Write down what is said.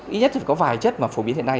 ít nhất thì có vài chất mà phổ biến hiện nay